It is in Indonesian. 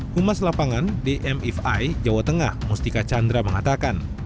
pumas lapangan dmfi jawa tengah mustika chandra mengatakan